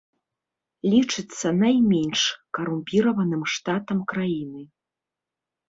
Лічыцца найменш карумпіраваным штатам краіны.